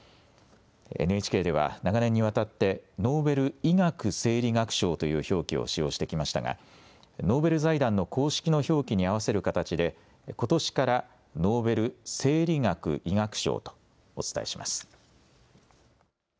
ＮＨＫでは長年にわたってノーベル医学・生理学賞という表記を使用してきましたがノーベル財団の公式の表記に合わせる形でことしからノーベル生理学・医学賞とお伝えします。